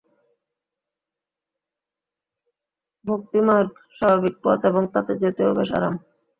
ভক্তিমার্গ স্বাভাবিক পথ এবং তাতে যেতেও বেশ আরাম।